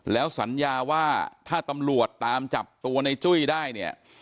แล้วสัญญาว่าถ้าตำรวจตามจับตัวในจุ้ยได้เนี่ย